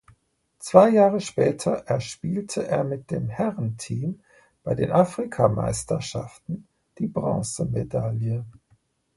Zwei Jahre später erspielte er mit dem Herrenteam bei den Afrikameisterschaften die Bronzemedaille.